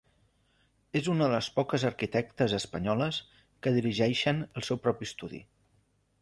És una de les poques arquitectes espanyoles que dirigeixen el seu propi estudi.